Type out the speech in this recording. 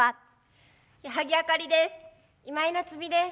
矢作あかりです。